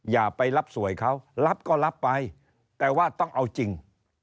อย่าไปรับสวยเขารับก็รับไปแต่ว่าต้องเอาจริง